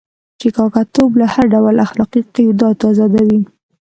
چې کاکه توب له هر ډول اخلاقي قیوداتو آزادوي.